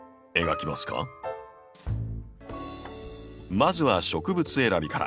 まずは植物選びから。